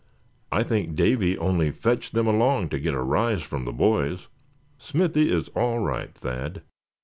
I think Davy only fetched them along to get a rise from the boys. Smithy is all right, Thad.